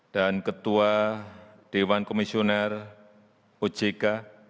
ketua dewan komisioner ojk